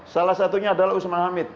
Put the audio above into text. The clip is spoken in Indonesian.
salah satunya adalah usman hamid